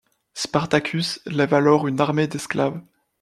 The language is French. Spartacus lève alors une armée d’esclaves.